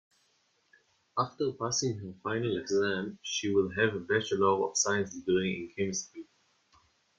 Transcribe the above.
After passing her final exam she will have a bachelor of science degree in chemistry.